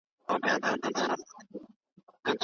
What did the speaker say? مرګ ګواښ نه ښکاري.